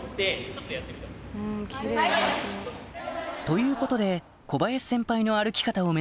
ということで小林先輩の歩き方を目指し